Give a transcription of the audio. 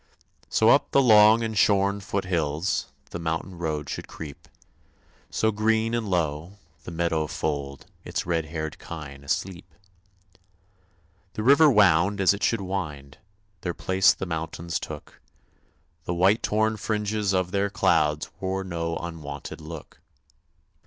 So up the long and shorn foot hills The mountain road should creep; So, green and low, the meadow fold Its red haired kine asleep. The river wound as it should wind; Their place the mountains took; The white torn fringes of their clouds Wore no unwonted look.